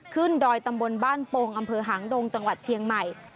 ดอยตำบลบ้านโปงอำเภอหางดงจังหวัดเชียงใหม่